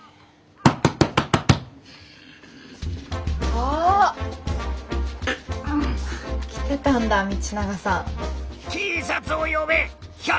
あ！来てたんだ道永さん。